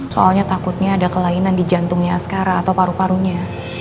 soalnya takutnya ada kelainan di jantungnya askara atau paru parunya